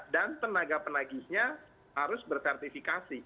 dan tenaga penagihnya harus bersertifikasi